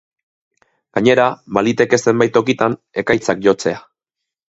Gainera, baliteke zenbait tokitan ekaitzak jotzea.